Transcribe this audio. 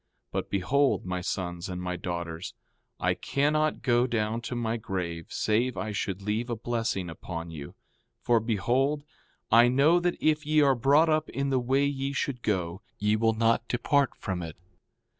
4:5 But behold, my sons and my daughters, I cannot go down to my grave save I should leave a blessing upon you; for behold, I know that if ye are brought up in the way ye should go ye will not depart from it.